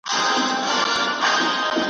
د نامردو له روز ګاره سره کار وي `